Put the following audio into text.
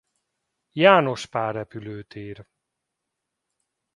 János Pál repülőtér.